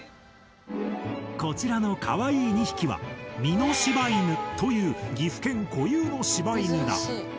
こちらのかわいい２匹は美濃柴犬という岐阜県固有のしば犬だ。